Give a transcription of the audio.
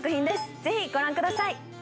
ぜひご覧ください。